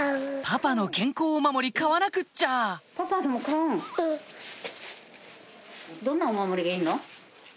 パパの健康お守り買わなくっちゃどんなお守りがいいの？